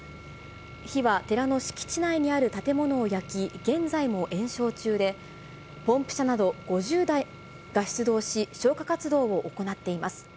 火は寺の敷地内にある建物を焼き、現在も延焼中で、ポンプ車など５０台が出動し、消火活動を行っています。